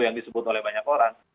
yang disebut oleh banyak orang